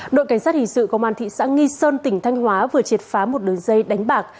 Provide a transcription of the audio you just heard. đội cảnh sát hình sự công an thị xã nghi sơn tỉnh thanh hóa vừa triệt phá một đường dây đánh bạc